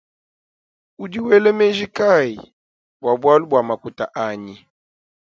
Udi wela menji kayi bua bualu bua makuta anyi.